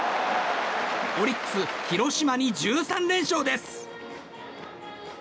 オリックス広島に１３連勝です！